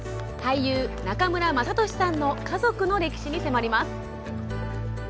俳優・中村雅俊さんの家族の歴史に迫ります。